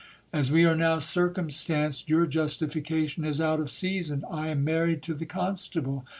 As we are now circumstanced, your justification is out of season. I am married to the constable.